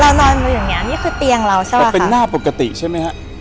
เรานอนอยู่อย่างเงี้ยนี่คือเตียงเราใช่ปะค่ะแต่เป็นหน้าปกติใช่มั้ยฮะ